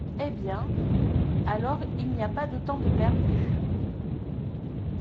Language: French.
Et bien ! alors, il n’y a pas de temps de perdu…